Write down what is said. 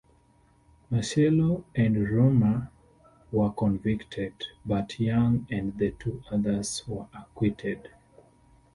Marcello and Roemer were convicted, but Young and the two others were acquitted.